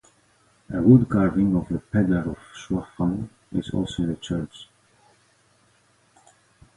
A wood carving of the "Pedlar of Swaffham" is also in the church.